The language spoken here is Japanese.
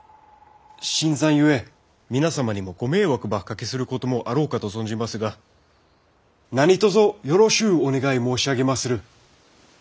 新参ゆえ皆様にもご迷惑ばおかけすることもあろうかと存じますが何とぞよろしうお願い申し上げまする！